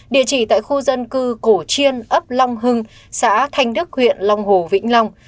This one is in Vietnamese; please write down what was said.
địa chỉ tại khu dân cư cổ chiên ấp long hưng xã thanh đức huyện long hồ vĩnh long